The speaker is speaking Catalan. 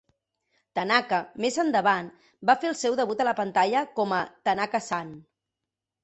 Tanaka, més endavant, va fer el seu debut a la pantalla com a "Tanaka-San".